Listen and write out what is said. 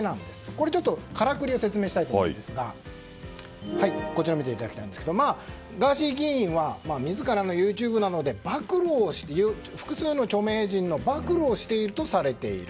これ、からくりを説明したいと思うんですがガーシー議員は自らのＹｏｕＴｕｂｅなどで複数の著名人の暴露をしているとされている。